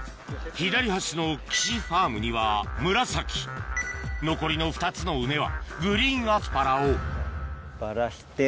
左端の岸ファームには紫残りの２つの畝はグリーンアスパラをばらして。